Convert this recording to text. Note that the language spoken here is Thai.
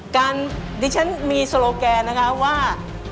ดิฉันมีโซโลแกนนะคะว่า